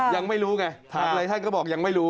ยังไม่รู้ไงหลายท่านก็บอกยังไม่รู้